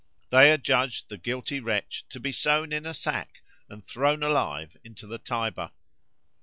They adjudged the guilty wretch to be sown in a sack, and thrown alive into the Tiber.